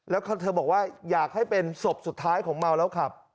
แล้วเธอบอกว่าอยากให้เป็นศพสุดท้ายของเมาแล้วขับ